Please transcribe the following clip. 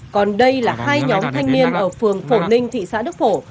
còn đây là hai nhóm thanh niên ở phường phổ ninh thị xã đức phổ